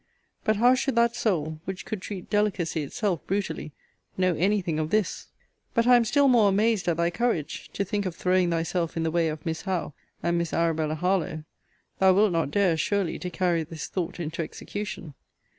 But how should that soul, which could treat delicacy itself brutally, know any thing of this! But I am still more amazed at thy courage, to think of throwing thyself in the way of Miss Howe, and Miss Arabella Harlowe! Thou wilt not dare, surely, to carry this thought into execution!